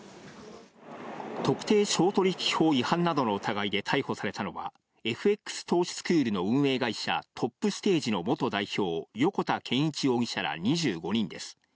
特定商取引法違反などの疑いで逮捕されたのは、ＦＸ投資スクールの運営会社、トップステージの元代表、横田健一容疑者ら２５人です。